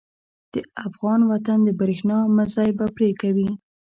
د افغان وطن د برېښنا مزی به پرې کوي.